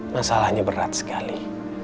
masalahnya berat sekali